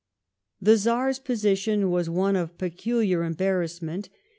— The Czar's position was one of peculiar embarrassment.